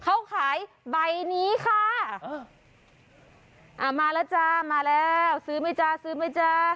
เขาขายใบนี้ค่ะเอออ่ามาแล้วจ้ามาแล้วซื้อไหมจ๊ะซื้อไหมจ๊ะ